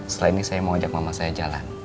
setelah ini saya mau ajak mama saya jalan